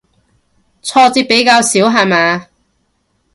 挫折比較少下嘛